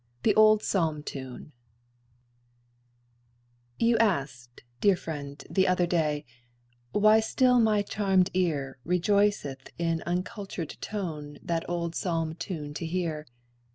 THE OLD PSALM TUNE You asked, dear friend, the other day, Why still my charmèd ear Rejoiceth in uncultured tone That old psalm tune to hear?